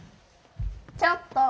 ちょっと！